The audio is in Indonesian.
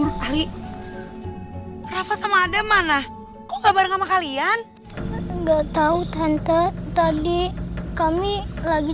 rapat sama ada mana kok kabar sama kalian enggak tahu tante tadi kami lagi